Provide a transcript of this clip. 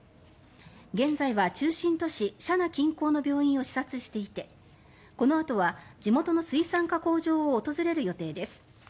現在は中心都市・紗那近郊の病院を視察していてこのあとは地元の水産加工場を訪れる予定です。